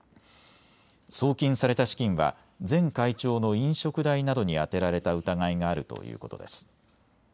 送金された資金は前会長の飲食代などに充てられた疑いがあるということです。